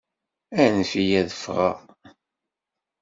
Anef-iyi ad ffɣeɣ!